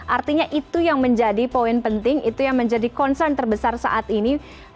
artinya itu yang menjadi poin penting itu yang menjadi concern terbesar saat ini